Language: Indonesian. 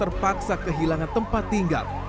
terpaksa kehilangan tempat tinggal